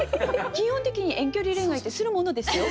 基本的に遠距離恋愛ってするものですよ。